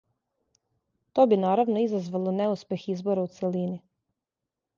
То би наравно изазвало неуспех избора у целини.